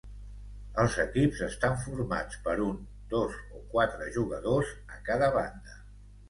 Els equips estan formats per un, dos o quatre jugadors a cada banda.